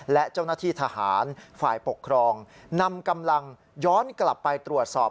และเจ้าหน้าที่ทหารฝ่ายปกครองนำกำลังย้อนกลับไปตรวจสอบ